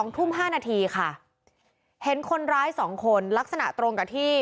ทุ่ม๕นาทีค่ะเห็นคนร้าย๒คนลักษณะตรงกับที่